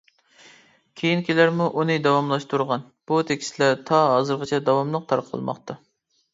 كېيىنكىلەرمۇ ئۇنى داۋاملاشتۇرغان، بۇ تېكىستلەر تا ھازىرغىچە داۋاملىق تارقالماقتا.